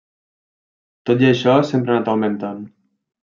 Tot i això, sempre ha anat augmentant.